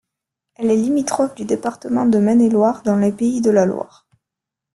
Elle est limitrophe du département de Maine-et-Loire dans les Pays de la Loire.